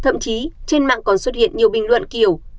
thậm chí trên mạng còn xuất hiện nhiều bình luận kiểu